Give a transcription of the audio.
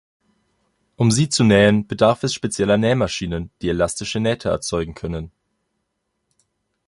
Um sie zu nähen, bedarf es spezieller Nähmaschinen, die elastische Nähte erzeugen können.